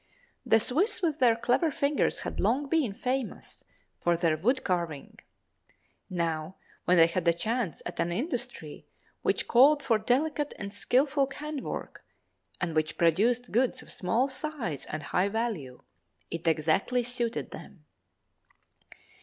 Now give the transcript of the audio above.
The Swiss with their clever fingers had long been famous for their wood carving; now, when they had a chance at an industry which called for delicate and skilful hand work and which produced goods of small size and high value, it exactly suited them.